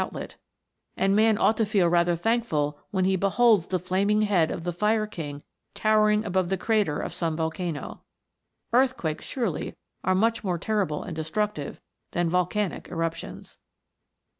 outlet ; and man ought to feel rather thankful when he beholds the flaming head of the Fire King towering above the crater of some volcano. Earth quakes surely are much more terrible and destruc tive than volcanic eruptions.